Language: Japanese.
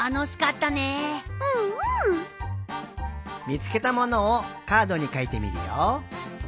みつけたものをカードにかいてみるよ。